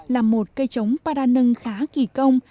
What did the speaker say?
làm một cây trống paranưng khá kỳ công